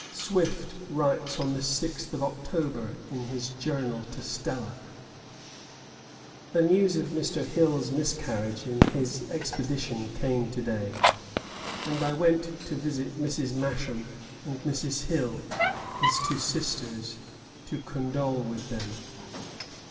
Swift writes on the sixth of October in his Journal to Stella: "The news of Mr. Hill's miscarriage in his expedition came to day, and I went to visit Mrs. Masham and Mrs. Hill, his two sisters, to condole with them."